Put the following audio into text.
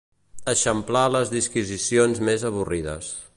Eixamplar les disquisicions més avorrides.